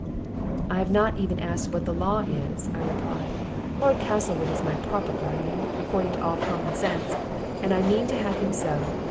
"I have not even asked what the law is," I replied. "Lord Castlewood is my proper guardian, according to all common sense, and I mean to have him so.